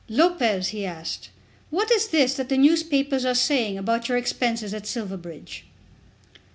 "Lopez," he asked, "what is this that the newspapers are saying about your expenses at Silverbridge?"